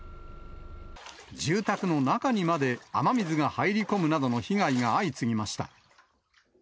住宅の中にまで雨水が入り込むなどの被害が相次ぎました。